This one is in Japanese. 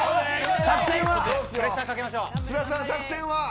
津田さん、作戦は。